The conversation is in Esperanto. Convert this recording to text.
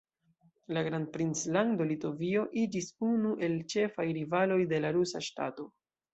La Grandprinclando Litovio iĝis unu el ĉefaj rivaloj de la rusa ŝtato.